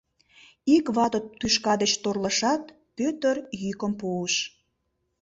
Ик вате тӱшка деч торлышат, Пӧтыр йӱкым пуыш: